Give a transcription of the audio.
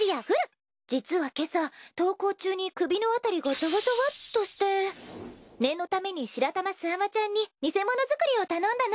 実は今朝登校中に首のあたりがざわざわっとして念のために白玉すあまちゃんに偽物作りを頼んだの。